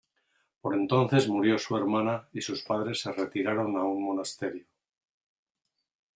Por entonces murió su hermana y sus padres se retiraron a un monasterio.